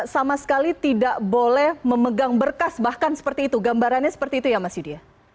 sama sekali tidak boleh memegang berkas bahkan seperti itu gambarannya seperti itu ya mas yudhiya